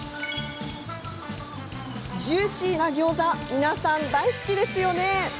ジューシーなギョーザ皆さん大好きですよね。